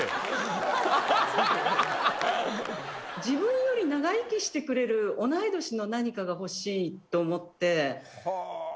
自分より長生きしてくれる同い年の何かが欲しいと思って。